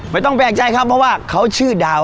ไม่ต้องแปลกใจครับเพราะว่าเขาชื่อดาว